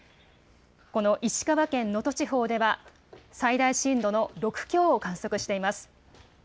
この石川県能登地方では最大震度の６強を観測しています。